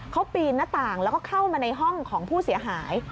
เขาปีนหน้าต่างแล้วก็เข้ามาในห้องของผู้เสียหาย